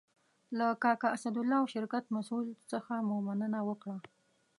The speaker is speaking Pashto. له کاکا اسدالله او شرکت مسئول څخه مو مننه وکړه.